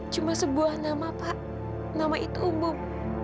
cuma sebuah nama pak nama itu umum